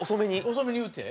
遅めに言うて？